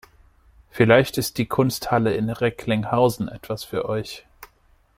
Vielleicht ist die Kunsthalle in Recklinghausen etwas für euch.